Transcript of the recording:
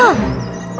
lalu dia mengejar